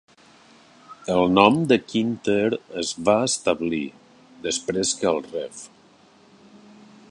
El nom de Quinter es va establir, després que el Rev.